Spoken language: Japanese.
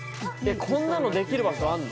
こんなのできる場所あんの？